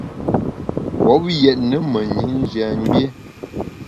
Kouop yètne menyit njiamgbié.